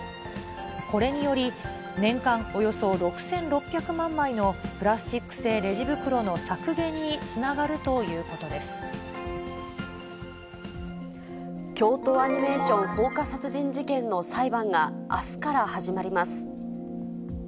これにより、年間およそ６６００万枚のプラスチック製レジ袋の削減につながる京都アニメーション放火殺人事件の裁判が、あすから始まります。